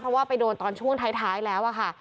เพราะว่าไปโดนตอนช่วงท้ายแล้วอะค่ะ